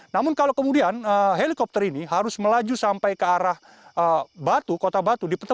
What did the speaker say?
namun kalau kemudian helikopter ini harus melaju sampai ke arah batu kota batu